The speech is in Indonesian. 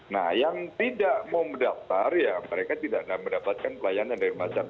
nah yang tidak mau mendaftar ya mereka tidak mendapatkan pelayanan dari masyarakat